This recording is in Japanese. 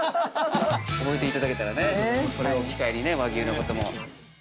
覚えていただけたらね、これを機会に、和牛のことも。